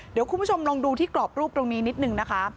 เดี๋ยวคุณผู้ชมลองดูที่กรอบรูปตรงนี้นิดนึงนะคะ